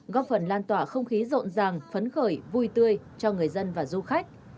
góp phần lan tỏa không khí rộn ràng phấn khởi vui tươi cho người dân và du khách